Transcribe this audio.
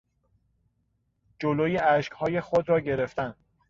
جلو اشکهای خود را گرفتن